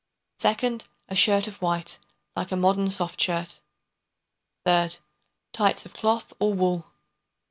Second, a shirt of white, like a modern soft shirt. Third, tights of cloth or wool.